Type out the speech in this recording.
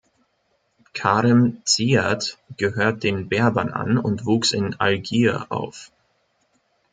Karim Ziad gehört den Berbern an und wuchs in Algier auf.